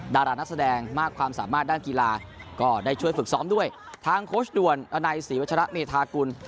ดารานักแสดงมากความสามารถด้านกีฬาก็ได้ช่วยฝึกซ้อมด้วยทางโค้ชด่วนอนัยศรีวัชระเมธากุล